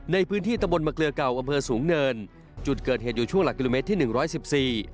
ในพื้นที่ตะบนมะเกลือเก่าอำเภอสูงเนินจุดเกิดเหตุอยู่ช่วงหลักกิโลเมตรที่หนึ่งร้อยสิบสี่